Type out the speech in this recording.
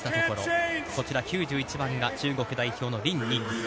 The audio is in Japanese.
こちら９１番が中国代表の林尼。